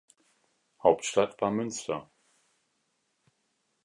Hauptstadt war Münster.